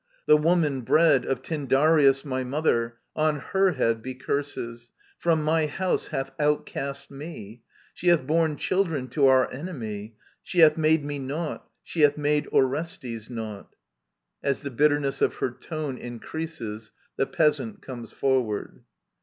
..• The woman bred Of Tjrndarcus, my mother— on her head Be curses I — from my house hath outcast me ; She hath borne children to our enemy 5 She hath made me naught, she hath made Orestes naught. .•. [/is the bitterness of her tone increases^ the Peasant comes forward.